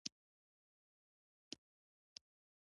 د غزل ادبي او احساساتي فلسفه